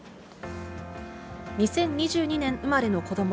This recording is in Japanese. ２０２２年生まれの子ども